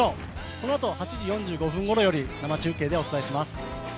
このあと８時４５分ごろより生中継でお伝えします。